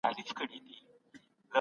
ورزش کول بدن غښتلی او سالم ساتي.